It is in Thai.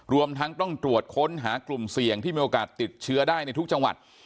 รวมทั้งต้องตรวจค้นหากลุ่มเสี่ยงที่มีโอกาสติดเชื้อได้ในทุกจังหวัด